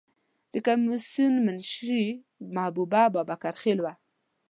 د کمیسیون منشی محبوبه بابکر خیل وه.